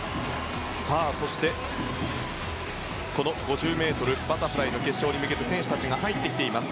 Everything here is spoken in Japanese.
そして、この５０ｍバタフライの決勝に向けて選手たちが入ってきています。